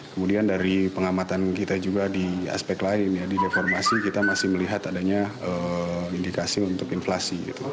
kemudian dari pengamatan kita juga di aspek lain ya di reformasi kita masih melihat adanya indikasi untuk inflasi